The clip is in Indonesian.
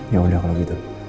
yaudah kalau gitu